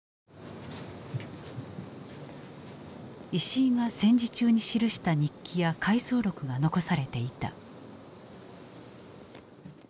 石井が戦時中に記した日記や回想録が残されていた。